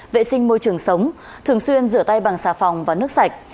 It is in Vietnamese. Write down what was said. vệ sinh môi trường sống thường xuyên rửa tay bằng xà phòng và nước sạch